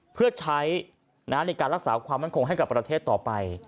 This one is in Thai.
เพื่อใช้ในการรักษาความมั่นคงให้กับประเทศต่อไป